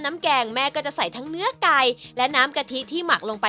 น้ำแกงจะชุ่มอยู่ในเนื้อไก่ค่ะ